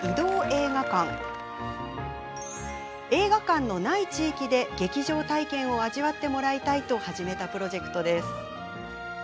映画館のない地域で劇場体験を味わってもらいたいと始めたプロジェクトです。